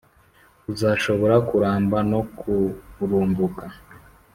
Uzashobora kuramba no kurumbuka.